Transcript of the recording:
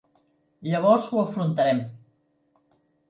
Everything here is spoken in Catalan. Llavors ho afrontarem.